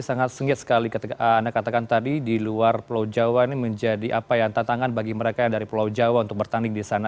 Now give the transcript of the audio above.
sangat sengit sekali ketika anda katakan tadi di luar pulau jawa ini menjadi apa yang tantangan bagi mereka yang dari pulau jawa untuk bertanding di sana